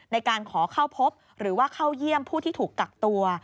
ในการขอเข้าพบหรือว่าเข้าเยี่ยมผู้ที่ถูกกักตัว